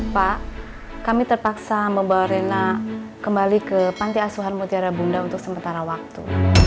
pak kami terpaksa membawa rena kembali ke panti asuhan mutiara bunda untuk sementara waktu